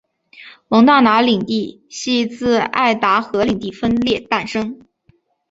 蒙大拿领地系自爱达荷领地分裂诞生。